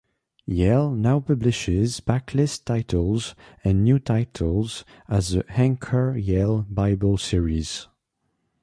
Yale now publishes backlist titles and new titles as the Anchor Yale Bible Series.